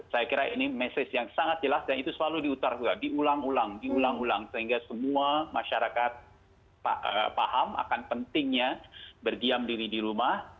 saya kira ini mesej yang sangat jelas dan itu selalu diulang ulang diulang ulang sehingga semua masyarakat paham akan pentingnya berdiam diri di rumah